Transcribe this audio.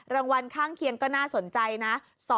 รางวัลข้างเคียงก็น่าสนใจนะ